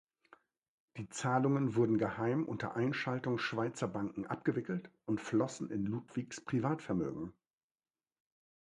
Die Zahlungen wurden geheim unter Einschaltung Schweizer Banken abgewickelt und flossen in Ludwigs Privatvermögen.